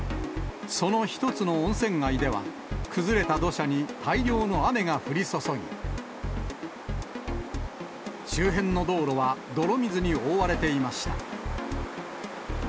その一つの温泉街では、崩れた土砂に大量の雨が降り注ぎ、周辺の道路は泥水に覆われていました。